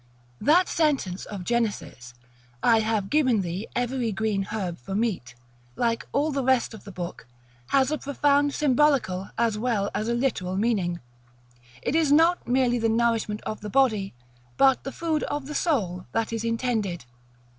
That sentence of Genesis, "I have given thee every green herb for meat," like all the rest of the book, has a profound symbolical as well as a literal meaning. It is not merely the nourishment of the body, but the food of the soul, that is intended.